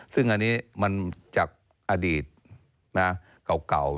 ซึ่งอันนี้มันจากอดีตเก่า